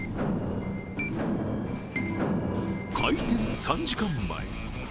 開店３時間前。